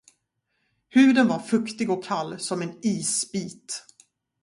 Huden var fuktig och kall som en isbit.